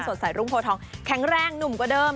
สดใสรุ่งโพทองแข็งแรงหนุ่มกว่าเดิม